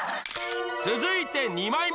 続いて２枚目